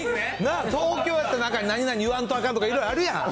東京やったら、何々言わんとあかんとかいろいろあるやん。